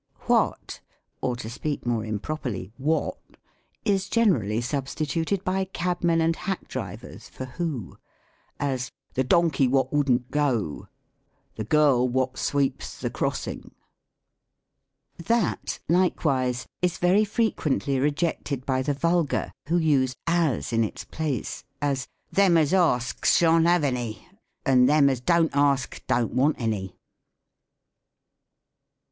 Wliat, or, to speak more improperly, wot, is generally substituted by cabmen and hack drivers for who ; as, " The donkey wo^ wouldn't go." " The girl wot sweeps the crossing." That, likewise, is very frequently rejected by the 48 THE COMIC ENGLISH GRAMMAR. vulgar, who use as in its place ; as, " Them as aska shan't have any ; and them as don't ask don't want any."